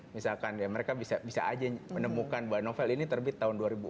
misalkan ya mereka bisa aja menemukan bahwa novel ini terbit tahun dua ribu empat